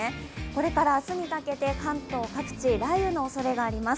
これから明日にかけて関東各地、雷雨のおそれがあります。